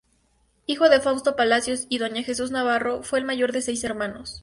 Hijo de Faustino Palacios y doña Jesús Navarro, fue el mayor de seis hermanos.